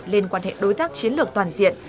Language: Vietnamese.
lên quan hệ đối tác chiến lược toàn diện